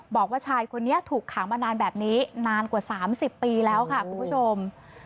บอกว่าชายคนนี้ถูกขังมานานแบบนี้นานกว่า๓๐ปีแล้วค่ะคุณผู้ชม